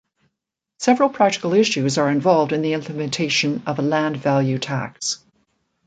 Several practical issues are involved in the implementation of a land value tax.